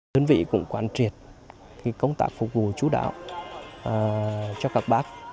đơn vị cũng quan triệt công tác phục vụ chú đạo cho các bác